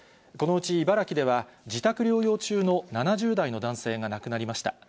このうち茨城では、自宅療養中の７０代の男性が亡くなりました。